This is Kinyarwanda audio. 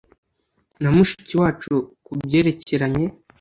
na Mushiki wacu ku byerekeranye